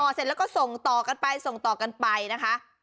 เสร็จแล้วก็ส่งต่อกันไปส่งต่อกันไปนะคะ